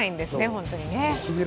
本当にね。